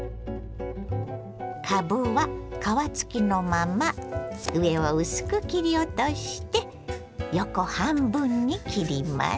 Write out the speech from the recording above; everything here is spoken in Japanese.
かぶは皮付きのまま上を薄く切り落として横半分に切ります。